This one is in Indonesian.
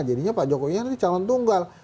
jadinya pak jokowi ini calon tunggal